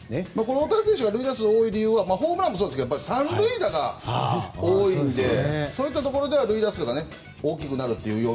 大谷選手が塁打数が多い理由はホームランもそうですけど３塁打が多いのでそういったところでは塁打数が大きくなると。